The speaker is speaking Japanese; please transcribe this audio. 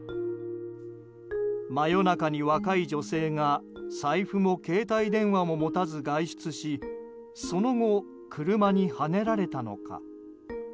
真夜中に若い女性が財布も携帯電話も持たず外出しその後、車にはねられたのか。